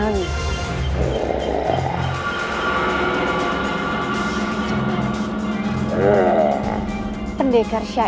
siapa dia saudaranya